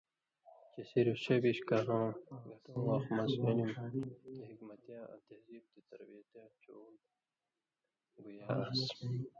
چِہ صرف ڇَئے بِیش کالوں کھٹوں وَخ مَز علم تےحکمتِیاں آں تہذیب تَے تربیتاں ڇَول گُیال آنٚس